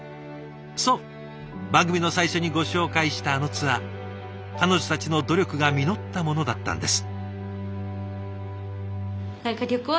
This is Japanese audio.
そう番組の最初にご紹介したあのツアー彼女たちの努力が実ったものだったんです。